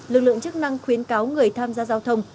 lực lượng chức năng khuyến cáo người tham gia giao thông